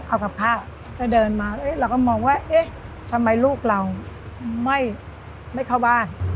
เอากับข้าวแล้วเดินมาเราก็มองว่าเอ๊ะทำไมลูกเราไม่เข้าบ้าน